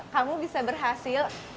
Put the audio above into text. kamu bisa berhasil